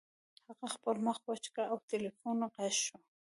هغه خپل مخ وچ کړ او د ټیلیفون غږ شو